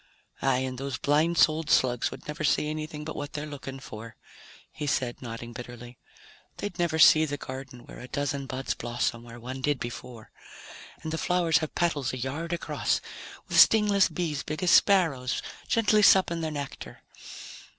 "Aye, and those blind souled slugs would never see anything but what they're looking for," he said, nodding bitterly. "They'd never see the garden where a dozen buds blossom where one did before, and the flowers have petals a yard across, with stingless bees big as sparrows gently supping their nectar.